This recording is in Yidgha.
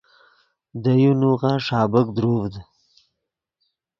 دے یو نوغہ ݰابیک دروڤد